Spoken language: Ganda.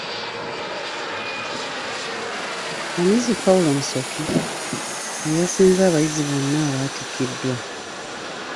Omuyizi Paul Musoke y'eyasinze abayizi bonna abaatikkiddwa.